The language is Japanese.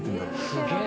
すげえ。